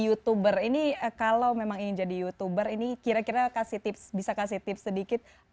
youtuber ini kalau memang ingin jadi youtuber ini kira kira bisa kasih tips sedikit